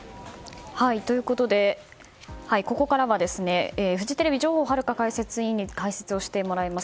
ここからはフジテレビ上法玄解説委員に解説をしてもらいます。